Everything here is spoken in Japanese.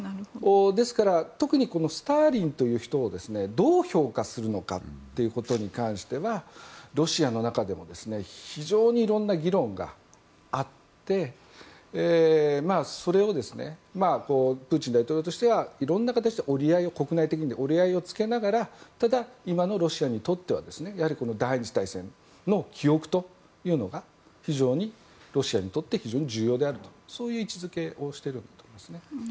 ですから、特にスターリンという人をどう評価するのかっていうことに関してロシアの中では非常にいろんな議論があってそれを、プーチン大統領としてはいろんな形で国内的にも折り合いをつけながらただ、今のロシアにとってはやはり第２次大戦の記憶が非常にロシアにとって重要であるとそういう位置づけをしているんです。